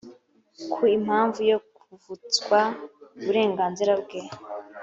kuba impamvu yo kuvutswa uburenganzira bwe